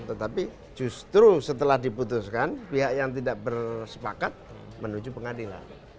tetapi justru setelah diputuskan pihak yang tidak bersepakat menuju pengadilan